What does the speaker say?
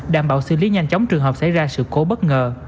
đảm bảo xử lý nhanh chóng trường hợp xảy ra sự cố bất ngờ